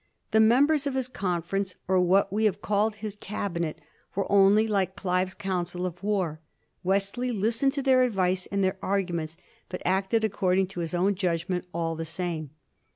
The members of his conference, or what we have called his .cabinet, were only like Clive's council of war; Wesley listened to their advice and their arguments, but acted according to his own judgment all the same.